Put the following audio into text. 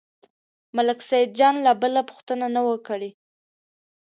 ملک سیدجان لا بله پوښتنه نه وه کړې.